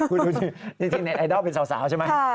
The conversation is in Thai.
คุณดูสิจริงเน็ตไอดอลเป็นสาวใช่ไหม